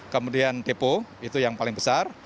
kemudian depo itu yang paling besar